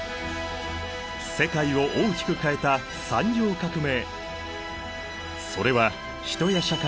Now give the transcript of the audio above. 世界を大きく変えた産業革命。